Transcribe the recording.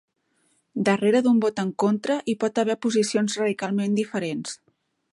Darrere d'un vot en contra hi pot haver posicions radicalment diferents.